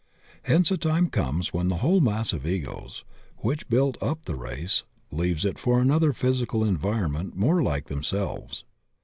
Hence a time comes when the whole mass of Egos which built up the race leaves it for another physi^ environment more like themselves.